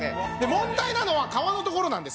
問題なのは皮のところなんです。